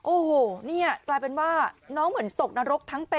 โอ้โหนี่กลายเป็นว่าน้องเหมือนตกนรกทั้งเป็น